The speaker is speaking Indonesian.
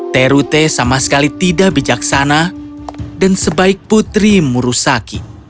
terute sama sekali tidak bijaksana dan sebaik putri murusaki